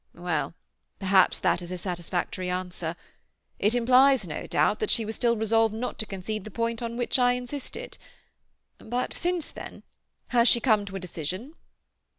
"Well, perhaps that is a satisfactory answer. It implies, no doubt, that she was still resolved not to concede the point on which I insisted. But since then? Has she come to a decision?"